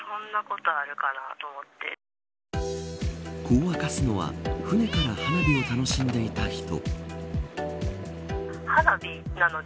こう明かすのは船から花火を楽しんでいた人。